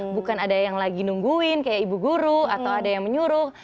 bukan ada yang lagi nungguin kayak ibu guru atau ada yang menyuruh